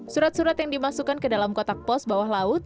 surat surat yang dimasukkan ke dalam kotak pos bawah laut